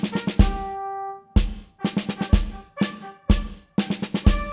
adapung untuk berurut urut diri maka saya